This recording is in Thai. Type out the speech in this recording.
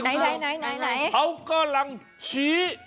ไหนเขากำลังชี้